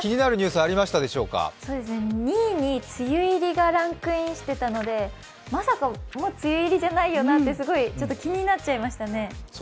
２位に梅雨入りがランクインしていたのでまさかもう梅雨入りじゃないよねってすごいちょっと気になっちゃいましたね。